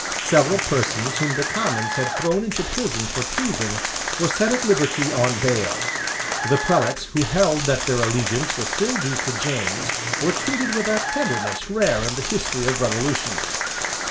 Several persons whom the Commons had thrown into prison for treason were set at liberty on bail, The prelates who held that their allegiance was still due to James were treated with a tenderness rare in the history of revolutions.